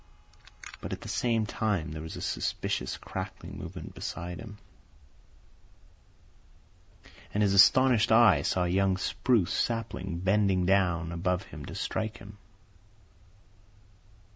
But at the same time there was a suspicious crackling movement beside him, and his astonished eye saw a young spruce sapling bending down above him to strike him.